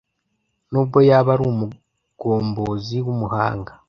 n’ubwo yaba ari umugombozi w’umuhanga